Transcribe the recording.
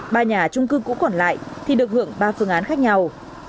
ba nhà trung cư cũ còn lại thì được hưởng ba phương án khác nhau